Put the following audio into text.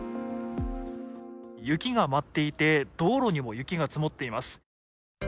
雪が舞っていて、道路にも雪が積もっています。